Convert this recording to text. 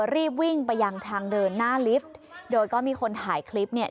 รีบวิ่งไปยังทางเดินหน้าลิฟท์โดยก็มีคนถ่ายคลิปเนี่ย